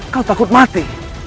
kau takut mati